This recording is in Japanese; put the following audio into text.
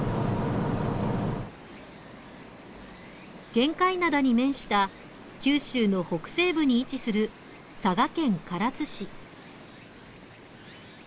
玄界灘に面した九州の北西部に位置する佐賀県唐津市。